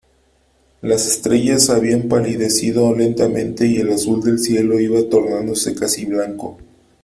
las estrellas habían palidecido lentamente , y el azul del cielo iba tornándose casi blanco .